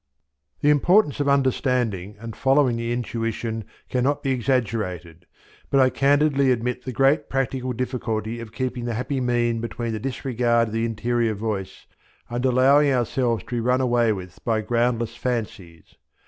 The importance of understanding and following the intuition cannot be exaggerated, but I candidly admit the great practical difficulty of keeping the happy mean between the disregard of the interior voice and allowing ourselves to be run away with by groundless fancies.